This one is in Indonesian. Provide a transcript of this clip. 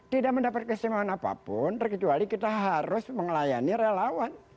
tidak mendapat kesetimbangan apapun terkecuali kita harus mengelayani relawan